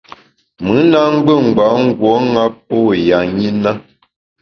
Mùn na ngbù ngbâ nguo ṅa pô ya ṅi na.